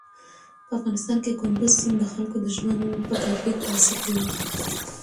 په افغانستان کې کندز سیند د خلکو د ژوند په کیفیت تاثیر کوي.